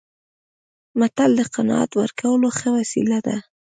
متل د قناعت ورکولو ښه وسیله ده